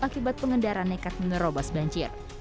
akibat pengendara nekat menerobos banjir